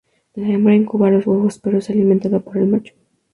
La hembra incuba los huevos, pero es alimentada por el macho.